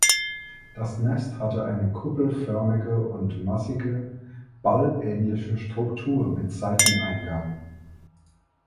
Das Nest hatte eine kuppelförmige und massige Ball ähnliche Struktur mit Seiteneingang.